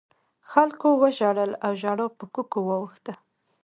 خلکو وژړل او ژړا په کوکو واوښته.